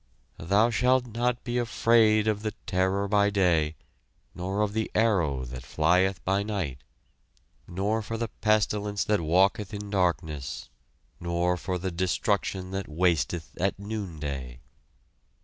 "Thou shalt not be afraid of the terror by day, nor of the arrow that flieth by night, nor for the pestilence that walketh in darkness, nor for the destruction that wasteth at noonday."